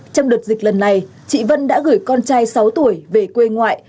trong đợt dịch lần này chị vân đã gửi con trai sáu tuổi về quê ngoại